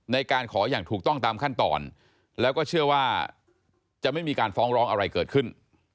ในการขออย่างถูกต้องตามขั้นตอนแล้วก็เชื่อว่าจะไม่มีการฟ้องร้องอะไรเกิดขึ้น